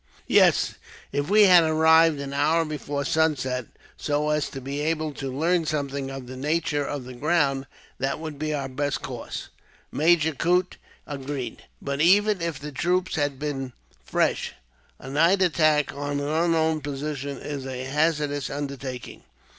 "Yes, if we had arrived an hour before sunset, so as to be able to learn something of the nature of the ground, that would be our best course," Major Coote agreed. "But, even if the troops had been fresh, a night attack on an unknown position is a hazardous undertaking.